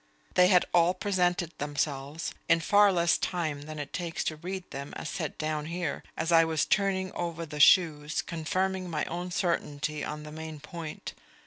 They had all presented themselves, in far less time than it takes to read them as set down here, as I was turning over the shoes, confirming my own certainty on the main point.